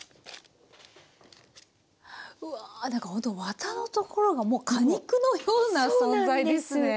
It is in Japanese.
うわなんかほんとワタのところがもう果肉のような存在ですね。